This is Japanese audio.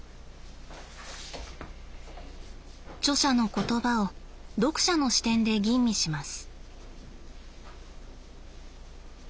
著者の言葉を読者の視点で吟味します。